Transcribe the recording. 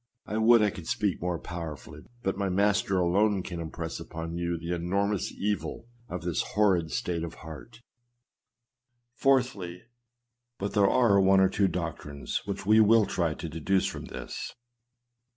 I would I could speak more powerfully, but my Master alone can impress upon you the enormous evil of this horrid state of heart. IV. But there are one or two doctrines which we will try to deduce from this.